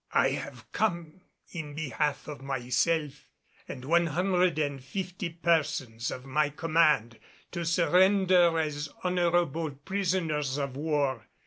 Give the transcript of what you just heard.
"I have come in behalf of myself and one hundred and fifty persons of my command to surrender as honorable prisoners of war.